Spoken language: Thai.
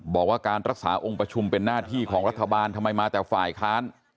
บอกว่าการรักษาองค์ประชุมเป็นหน้าที่ของรัฐบาลทำไมมาแต่ฝ่ายค้าน